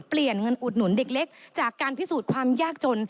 เปลี่ยนเงินอุดหนุนเด็กเล็กจากการพิสูจน์ความยากจน